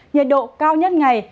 nhiệt độ cao nhất ngày